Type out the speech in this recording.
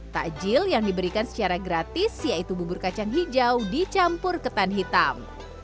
takjil yang diberikan secara gratis yaitu bubur kacang hijau dicampur ketan hitam